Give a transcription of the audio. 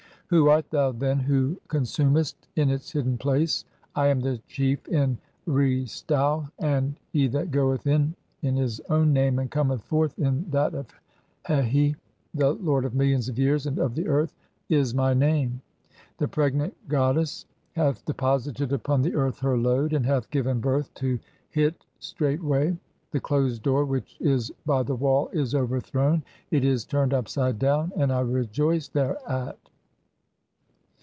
Who art thou, then, who "consumest in its hidden place? (38) I am the Chief in Re stau, "and 'He that goeth in in his own name and cometh forth in "that of Hehi (?), the lord of millions of years, and of the earth,' "is my name. The pregnant goddess hath (39) deposited [upon "the earth] her load, and hath given birth to Hit straightway ; "the closed door which is by the wall is overthrown, (40) it is "turned upside down and I rejoice thereat.